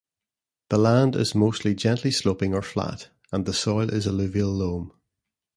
The land is mostly gently sloping or flat and the soil is alluvial loam.